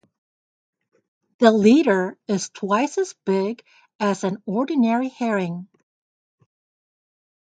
The leader is twice as big as an ordinary herring.